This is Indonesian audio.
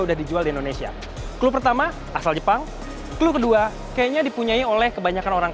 udah dijual di indonesia klub pertama asal jepang klub kedua kayaknya dipunyai oleh kebanyakan orang